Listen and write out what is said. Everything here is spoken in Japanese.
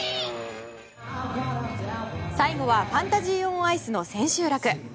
最後はファンタジー・オン・アイスの千秋楽。